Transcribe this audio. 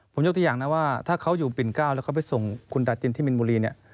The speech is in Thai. ผมยกตัวอย่างนะว่าถ้าเขาอยู่ปิ่นเก้าแล้วเขาไปส่งคุณตาจินที่มินบุรีเนี่ย